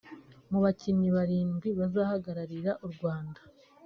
Mu bakinnyi barindwi bazahagararira u Rwanda